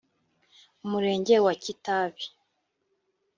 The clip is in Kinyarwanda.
Umurenge wa Kitabi